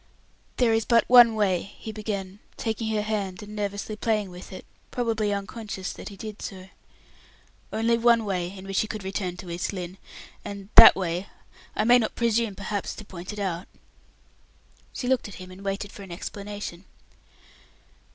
"There is but one way," he began, taking her hand and nervously playing with it, probably unconscious that he did so; "only one way in which you could return to East Lynne. And that way I may not presume, perhaps, to point it out." She looked at him and waited for an explanation.